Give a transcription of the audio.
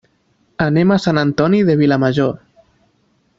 Anem a Sant Antoni de Vilamajor.